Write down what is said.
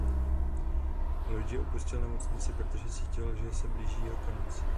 Luigi opustil nemocnici protože cítil že se blíží jeho konec.